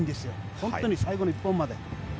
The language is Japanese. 本当に最後の１本まで。